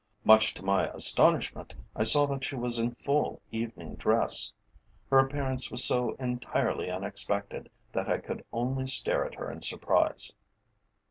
Much to my astonishment I saw that she was in full evening dress. Her appearance was so entirely unexpected that I could only stare at her in surprise.